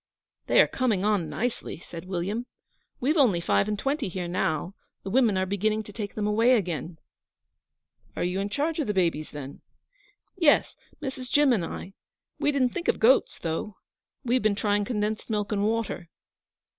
'They are coming on nicely,' said William. 'We've only five and twenty here now. The women are beginning to take them away again.' 'Are you in charge of the babies, then?' 'Yes Mrs. Jim and I. We didn't think of goats, though. We've been trying condensed milk and water.'